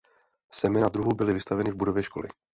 Semena druhů byly vystaveny v budově školy.